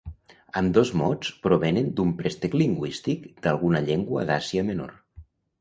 Ambdós mots provenen d'un préstec lingüístic d'alguna llengua d'Àsia Menor.